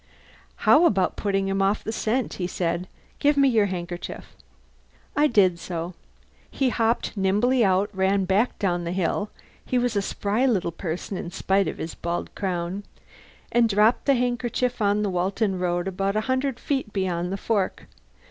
"How about putting him off the scent?" he said. "Give me your handkerchief." I did so. He hopped nimbly out, ran back down the hill (he was a spry little person in spite of his bald crown), and dropped the handkerchief on the Walton Road about a hundred feet beyond the fork.